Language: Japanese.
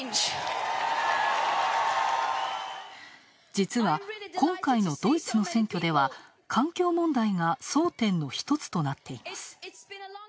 実は、今回のドイツの選挙では環境問題が争点の一つとなっています。